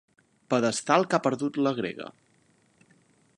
Pedestal que ha perdut la grega.